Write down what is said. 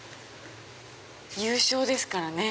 優勝ですからね。